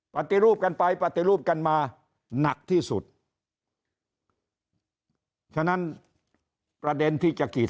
ปฏิรูปกันไปปฏิรูปกันมาหนักที่สุดฉะนั้นประเด็นที่จะขีด